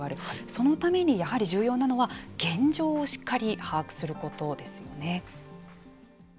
そのためにやはり重要なのは現状をしっかり把握することですよね。